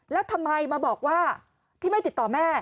แล้วทำไมมาบอกว่าที่ไม่ติดต่อแม่